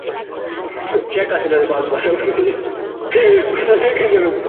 ভাষাবিদেরা হিসাব-নিকাশ করে দেখেছেন বিশ্বের অর্ধেক ভাষার কোনো লিখিত রূপ নেই।